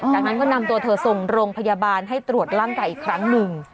จากนั้นก็นำตัวเธอส่งโรงพยาบาลให้ตรวจร่างกายอีกครั้งหนึ่ง